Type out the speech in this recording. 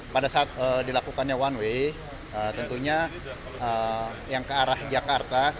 pada saat dilakukannya one way tentunya yang ke arah jakarta